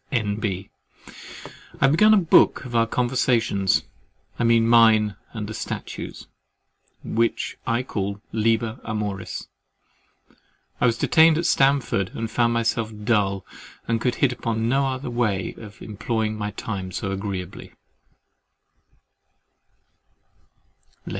N.B.—I have begun a book of our conversations (I mean mine and the statue's) which I call LIBER AMORIS. I was detained at Stamford and found myself dull, and could hit upon no other way of employing my time so agreeably.